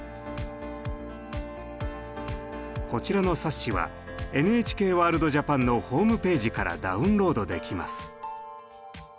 こちらの冊子は「ＮＨＫワールドＪＡＰＡＮ」のホームページからダウンロードできます。